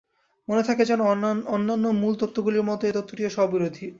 মনে থাকে যেন, অন্যান্য মূল তত্ত্বগুলির মত এ তত্ত্বটিও স্ব-বিরোধী।